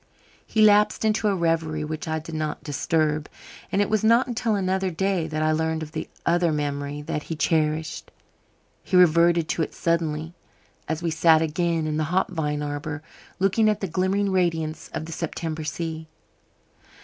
He lapsed into a reverie which I did not disturb, and it was not until another day that I learned of the other memory that he cherished. He reverted to it suddenly as we sat again in the hop vine arbour, looking at the glimmering radiance of the September sea.